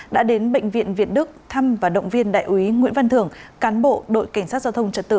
đã đến bệnh viện việt đức thăm và động viên đại úy nguyễn văn thường cán bộ đội cảnh sát giao thông trật tự